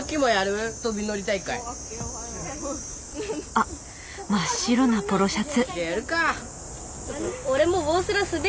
あっ真っ白なポロシャツ。